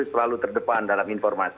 selalu terdepan dalam informasi